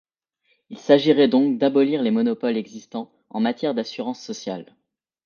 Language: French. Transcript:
Il s'agirait donc d'abolir les monopoles existant en matière d'assurances sociales.